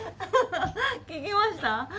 聞きました？